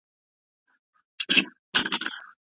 که چا بللي نه واست، نو هلته ګډون مه کوئ.